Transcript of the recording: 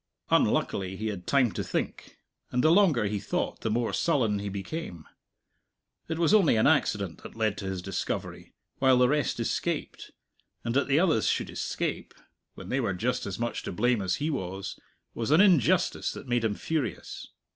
Unluckily he had time to think, and the longer he thought the more sullen he became. It was only an accident that led to his discovery, while the rest escaped; and that the others should escape, when they were just as much to blame as he was, was an injustice that made him furious.